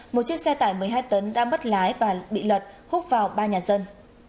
một chiếc xe tải một mươi hai tấn đã mất lái và bị lật hút vào ba nhà dân